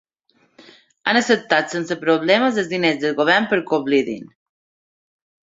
Han acceptat sense problemes els diners del Govern perquè oblidin.